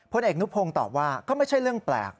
เอกนุพงศ์ตอบว่าก็ไม่ใช่เรื่องแปลก